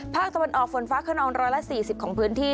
ภาคตะวันออกฝนฟ้าขนอง๑๔๐ของพื้นที่